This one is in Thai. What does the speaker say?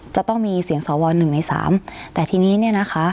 จะต้องมีเสียงเสาร์วอล๑ใน๓แต่ทีนี้เนี่ยนะคะ